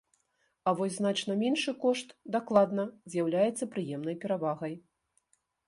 А вось значна меншы кошт, дакладна, з'яўляецца прыемнай перавагай.